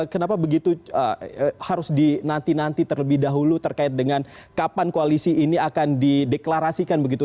kenapa begitu harus dinanti nanti terlebih dahulu terkait dengan kapan koalisi ini akan dideklarasikan begitu